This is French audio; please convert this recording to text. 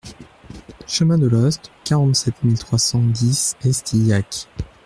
Chemin de Lhoste, quarante-sept mille trois cent dix Estillac